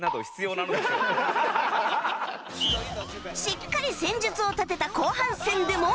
しっかり戦術を立てた後半戦でも